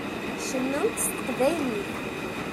Cennunt s teqbaylit.